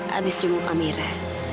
habis jemput amira